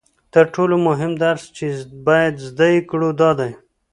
تر ټولو مهم درس چې باید زده یې کړو دا دی